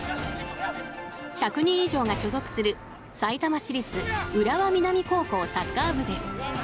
１００人以上が所属するさいたま市立浦和南高校サッカー部です。